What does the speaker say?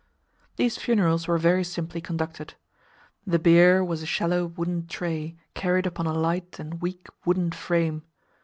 These funerals were very simply conducted. The bier was a shallow wooden tray, carried upon a light and weak wooden frame.